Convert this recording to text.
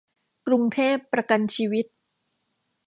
กรุงเทพประกันชีวิต